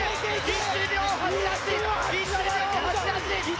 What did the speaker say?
１秒８８！